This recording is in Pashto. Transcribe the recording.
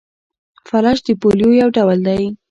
فلج د پولیو یو ډول دی.